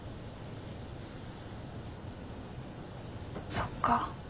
そっか。